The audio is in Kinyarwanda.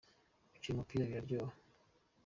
gukina umupira biraryoha.